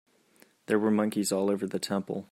There were monkeys all over the temple.